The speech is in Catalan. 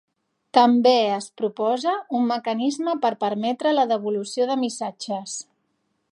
També es proposa un mecanisme per permetre la devolució de missatges.